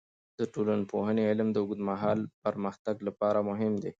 د ټولنپوهنې علم د اوږدمهاله پرمختګ لپاره مهم دی.